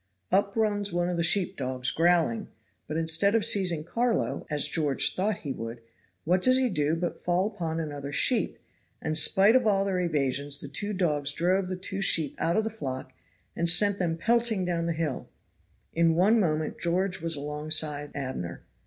Up runs one of the sheep dogs growling, but instead of seizing Carlo, as George thought he would, what does he do but fall upon another sheep, and spite of all their evasions the two dogs drove the two sheep out of the flock and sent them pelting down the hill. In one moment George was alongside Abner.